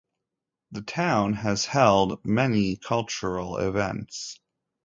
The town has held many cultural events.